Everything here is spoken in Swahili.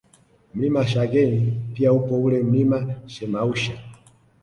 Mlima Shagein pia upo ule Mlima Shemausha